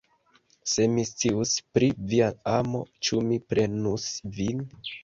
Se mi scius pri via amo, ĉu mi prenus vin!